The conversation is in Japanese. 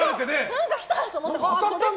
何か来た！と思ったら。